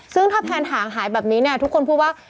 ซึ่งถ้าแผนหางหายแบบนี้เนี่ยทุกคนพูดว่า